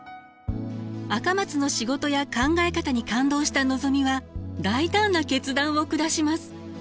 赤松の仕事や考え方に感動したのぞみは大胆な決断を下します。